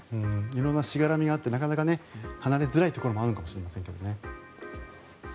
色んなしがらみがあってなかなかね離れづらいところもあるのかもしれませんけどね。